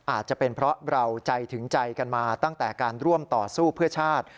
อาจจะเป็นเพราะเราใจถึงใจกันมาตั้งแต่การร่วมต่อสู้เพื่อชาติ